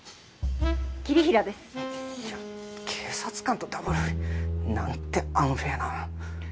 あっいや警察官とダブル不倫。なんてアンフェアな。